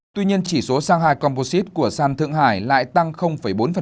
tuy nhiên chỉ số shanghai composite của san thượng hải lại tăng bốn